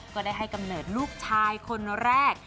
ก็ได้ให้กำเนิดลูกชายคนแรก